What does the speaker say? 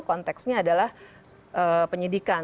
konteksnya adalah penyidikan